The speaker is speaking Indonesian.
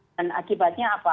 dan akibatnya apa